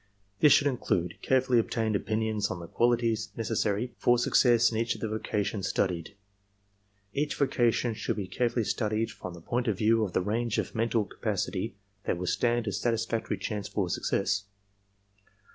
This should include carefully obtained opinions on the qualities necessary for success^ in each of the vocations studied. Each vocation should be carefully studied from the point of view of the range of mental ; capacity that will stand a satisfactory chance for success.